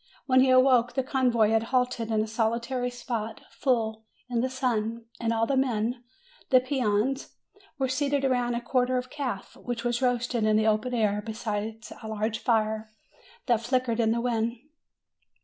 When he awoke, the convoy had halted in a solitary spot, full in the sun, and all the men the peones were seated round a quarter of calf, which was roasting in the open air beside a large fire, that flickered in the wind.